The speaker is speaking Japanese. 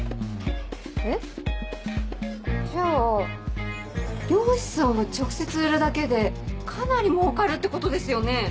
えっ？じゃあ漁師さんが直接売るだけでかなり儲かるってことですよね？